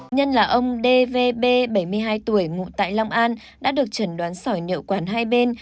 nhân là ông dvb bảy mươi hai tuổi ngụ tại long an đã được chẩn đoán sỏi nhựa quản hai bên